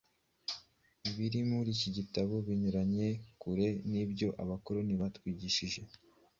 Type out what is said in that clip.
Ibiri muri iki gitabo binyuranye kure n’ibyo abakoroni batwigishije,